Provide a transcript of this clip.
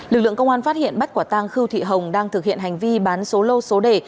lực lượng công an phát hiện bắt quả tang khư thị hồng đang thực hiện hành vi bán số lô số đề